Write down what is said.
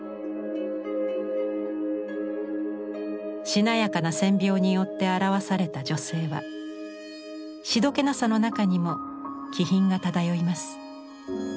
しなやかな線描によって表された女性はしどけなさの中にも気品が漂います。